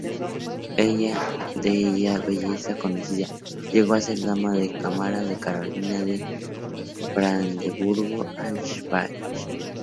Ella, de belleza conocida, llegó a ser dama de cámara de Carolina de Brandeburgo-Ansbach.